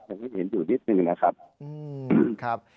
ยังให้เห็นอยู่นิดนึงนะครับ